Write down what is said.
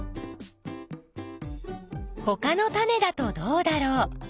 ほかのタネだとどうだろう？